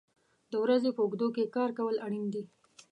د ورځې په اوږدو کې کار کول اړین دي.